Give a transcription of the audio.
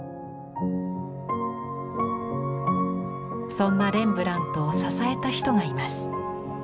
そんなレンブラントを支えた人がいます。